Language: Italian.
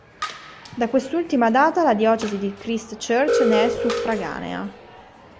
Da quest'ultima data la diocesi di Christchurch ne è suffraganea.